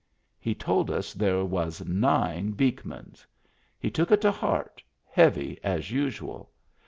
He told us there was nine Beekmans. He took it to heart heavy, as usual.